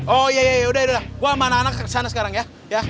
oh iya ya udah gua sama anak anak kesana sekarang ya